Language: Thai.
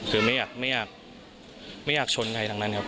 คือไม่อยากไม่อยากชนใครทั้งนั้นครับ